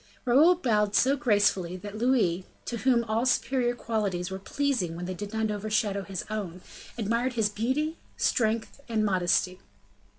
Raoul bowed so gracefully, that Louis, to whom all superior qualities were pleasing when they did not overshadow his own, admired his beauty, strength, and modesty.